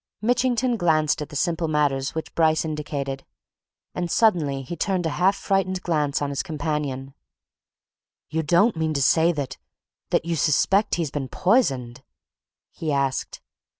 Mitchington glanced at the simple matters which Bryce indicated. And suddenly he turned a half frightened glance on his companion. "You don't mean to say that that you suspect he's been poisoned?" he asked.